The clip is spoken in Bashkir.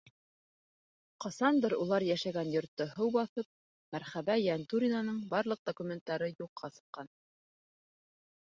Ҡасандыр улар йәшәгән йортто һыу баҫып, Мәрхәбә Йәнтүринаның барлыҡ документы юҡҡа сыҡҡан.